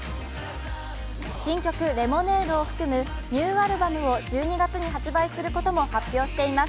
新曲「ｌｅｍｏｎａｄｅ」を含むニューアルバムを１２月に発売することも発表しています。